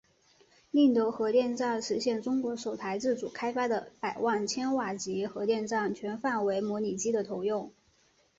宁德核电站实现中国首台自主开发的百万千瓦级核电站全范围模拟机的投用。